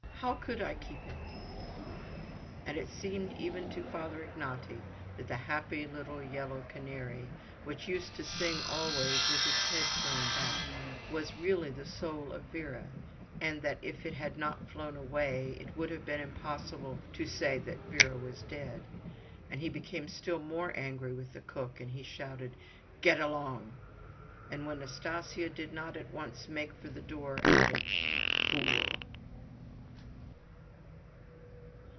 How could I keep it?" And it seemed even to Father Ignaty that the happy little yellow canary, which used to sing always with its head thrown back, was really the soul of Vera, and that if it had not flown away it would have been impossible to say that Vera was dead. And he became still more angry with the cook, and shouted: "Get along!" and when Nastasya did not at once make for the door, added "Fool!"